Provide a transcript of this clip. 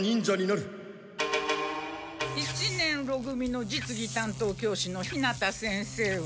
一年ろ組の実技担当教師の日向先生は。